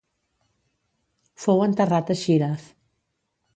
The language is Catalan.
Fou enterrat a Shiraz.